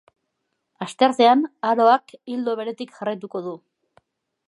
Asteartean aroak ildo beretik jarraituko du.